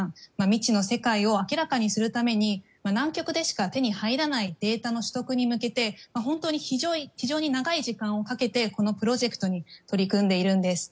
未知の世界を明らかにするために南極でしか手に入らないデータの取得に向けて本当に、非常に長い時間をかけてこのプロジェクトに取り組んでいるんです。